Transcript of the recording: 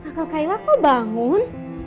kakak kaila kok bangun